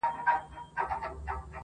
او لا ګورم چي ترټلی د بادار یم؛